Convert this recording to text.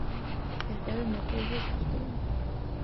ფეხები მოკლე და სუსტია.